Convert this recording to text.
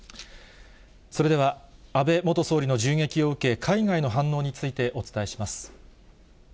それでは、安倍元総理の銃撃を受け、海外の反応についてお伝えします。